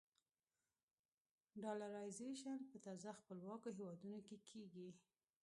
ډالرایزیشن په تازه خپلواکو هېوادونو کې کېږي.